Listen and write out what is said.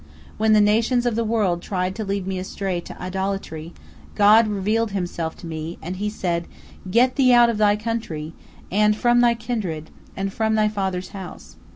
When the nations of the world tried to lead me astray to idolatry, God revealed Himself to me, and He said, 'Get thee out of thy country, and from thy kindred, and from thy father's house.'